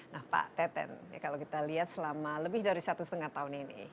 nah pak teten kalau kita lihat selama lebih dari satu setengah tahun ini